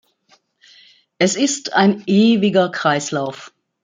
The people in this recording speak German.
Es ist ein ewiger Kreislauf.